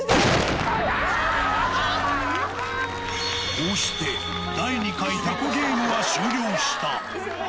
こうして、第２回タコゲームは終了した。